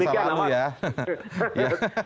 tidak harus demikian